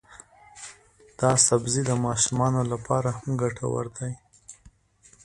دا سبزی د ماشومانو لپاره هم ګټور دی.